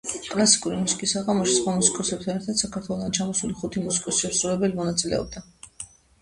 კლასიკური მუსიკის საღამოში, სხვა მუსიკოსებთან ერთად, საქართველოდან ჩამოსული ხუთი მუსიკოს-შემსრულებელი მონაწილეობდა.